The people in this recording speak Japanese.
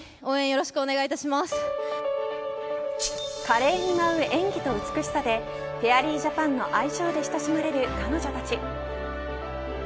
華麗に舞う演技と美しさでフェアリージャパンの愛称で親しまれる彼女たち。